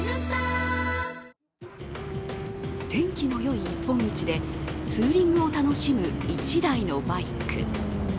天気のよい一本道でツーリングを楽しむ１台のバイク。